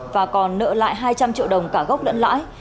và còn nợ lại hai trăm linh triệu đồng cả gốc lẫn lãi